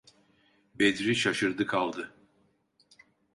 Bedri şaşırdı kaldı.